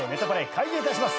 開演いたします。